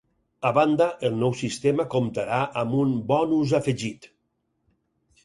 A banda, el nou sistema comptarà amb un ‘bonus afegit’.